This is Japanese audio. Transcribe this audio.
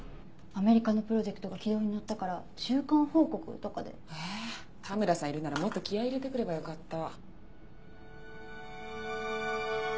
・アメリカのプロジェクトが軌道に乗ったから中間報告とかで。え田村さんいるならもっと気合入れて来ればよかった。